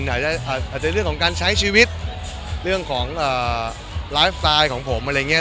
อาจจะเรื่องของการใช้ชีวิตเรื่องของไลฟ์สไตล์ของผมอะไรอย่างนี้